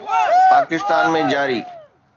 پاڪستان ۾ جاري